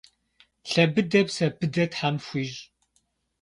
Лъэ быдэ, псэ быдэ Тхьэм фхуищӏ!